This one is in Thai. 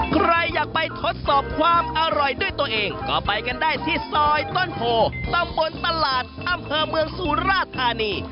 ใครอยากไปทดสอบความอร่อยด้วยตัวเองก็ไปกันได้ที่ซอยต้นโพตำบลตลาดอำเภอเมืองสุราธานี